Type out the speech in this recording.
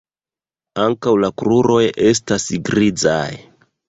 Ankaŭ la kruroj estas grizaj.